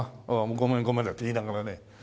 「ごめんごめん」なんて言いながらね。